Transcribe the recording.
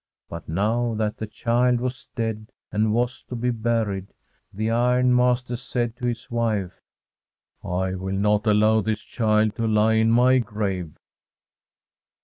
But now that the child was dead, and was to be buried, the ironmaster said to his wife :* I will not allow this child to lie in my grave.'